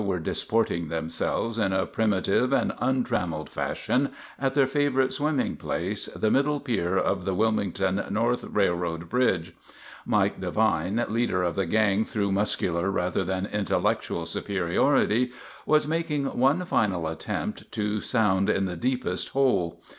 were disport ing themselves in a primitive and untram meled fashion at their favorite swimming place, the middle pier of the Wilmington Northern Railroad bridge. Mike Devine, leader of the gang through muscular rather than intellectual superiority, was making one final attempt to sound in the deepest hole.